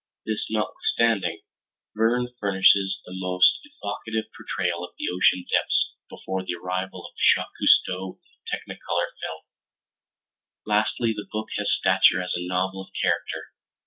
This notwithstanding, Verne furnishes the most evocative portrayal of the ocean depths before the arrival of Jacques Cousteau and technicolor film. Lastly the book has stature as a novel of character.